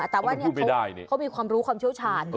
แต่ว่าเขามีความรู้ความเชี่ยวชาญ